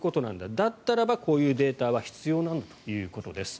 だったらば、こういうデータは必要なんだということです。